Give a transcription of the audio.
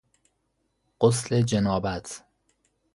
غسل جنابت